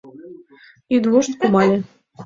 Йӱдвошт кумале.